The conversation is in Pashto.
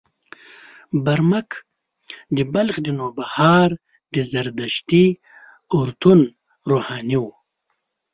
برمک د بلخ د نوبهار د زردشتي اورتون روحاني و.